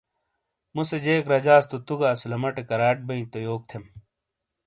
مُوسے جیک رجاس تو تُو گہ اسلمٹے کراٹ بئی تو یوک تھم